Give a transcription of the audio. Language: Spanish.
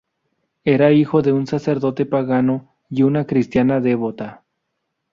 Era hijo de un sacerdote pagano y una cristiana devota.